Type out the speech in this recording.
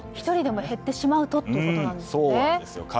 １人でも減ってしまうとということなんですね。